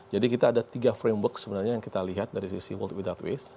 jadi kita ada tiga framework sebenarnya yang kita lihat dari sisi world without waste